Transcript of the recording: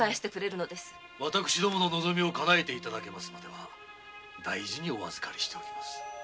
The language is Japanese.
私どもの望みをかなえて頂くまで大事にお預かりしておきます。